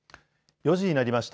４時になりました。